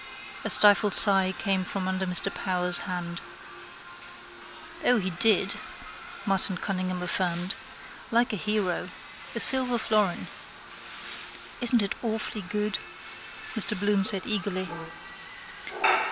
A stifled sigh came from under Mr Power's hand. —O, he did, Martin Cunningham affirmed. Like a hero. A silver florin. —Isn't it awfully good? Mr Bloom said eagerly.